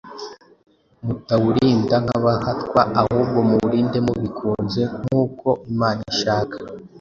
mutawurinda nk’abahatwa, ahubwo muwurinde mubikunze, nk’uko imana ishaka